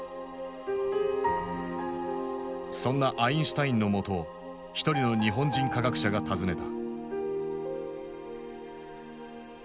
そんなアインシュタインの元を一人の日本人科学者が訪ねた。